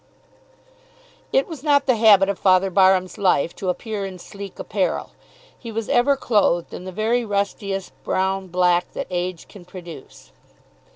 It was not the habit of Father Barham's life to appear in sleek apparel. He was ever clothed in the very rustiest brown black that age can produce.